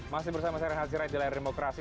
masih bersama saya ren hazirah di layar remokrasi